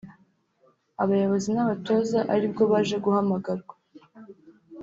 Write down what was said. abayobozi n’abatoza ari bwo baje guhamagarwa